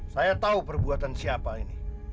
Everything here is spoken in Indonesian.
saya tahu perbuatan siapa ini